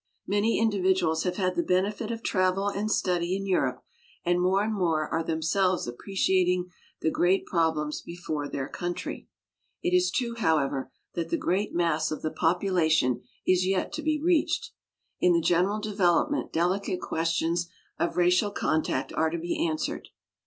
Many individuals have had the benefit of travel and study in Europe and more and more are themselves appreciating the great problems before their country. It is true, however, that the great mass of the population is yet to be reached. In the general development delicate ques tions of racial contact are to be answered.